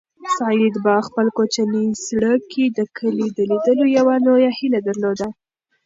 سعید په خپل کوچني زړه کې د کلي د لیدلو یوه لویه هیله درلوده.